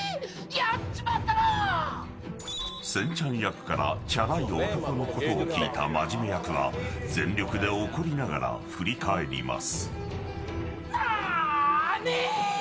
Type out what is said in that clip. せんちゃん役からちゃらい男のことを聞いたまじめ役は全力で怒りながら振り返ります。